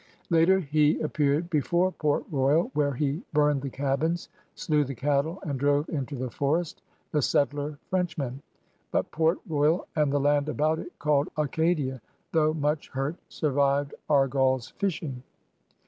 Later, he appeared before Port Royal, where he burned the cabins, slew the cattle, and drove into the forest the settler Frenchmen. But Port Royal and the land about it called Acadia, though much hurt, survived Argall's fishing.